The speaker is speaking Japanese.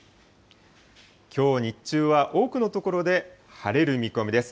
きょう日中は多くの所で晴れる見込みです。